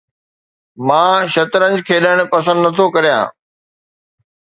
مان شطرنج کيڏڻ پسند نٿو ڪريان